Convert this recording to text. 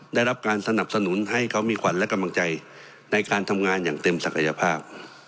ได้รับการสนับสนุนให้เขามีขวัญและกำลังใจในการทำงานอย่างเต็มศักยภาพ